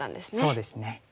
そうですね。